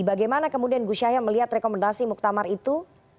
bagaimana kemudian gus yahya melihat rekomendasi muktamar itu